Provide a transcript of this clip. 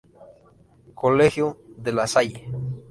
Colegio "De La Salle".